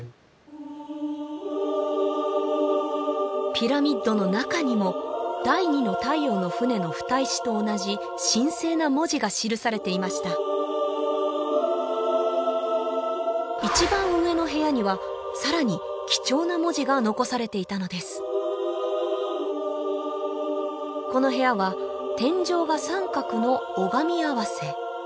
ピラミッドの中にも第二の太陽の船の蓋石と同じ神聖な文字が記されていました一番上の部屋にはさらに貴重な文字が残されていたのですこの部屋は天井が三角の拝み合わせ